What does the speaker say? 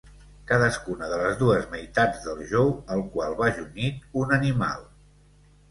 Cadascuna de les dues meitats del jou al qual va junyit un animal.